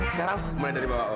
sekarang mulai dari bawah